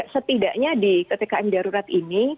setidaknya di ppkm darurat ini